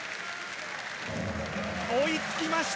追いつきました。